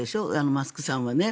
マスクさんはね。